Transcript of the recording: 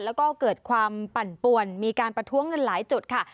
แล้วก็เกิดความปั่นปวนมีการประท้วงกันหลายจุดค่ะ